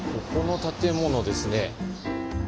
ここの建物ですね。